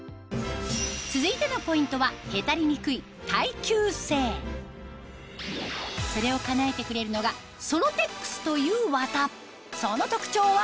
続いてのポイントはそれをかなえてくれるのがソロテックスという綿その特徴は？